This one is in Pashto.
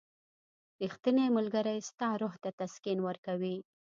• ریښتینی ملګری ستا روح ته تسکین ورکوي.